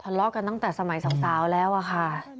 ทะเลาะกันตั้งแต่สมัยสาวแล้วอะค่ะ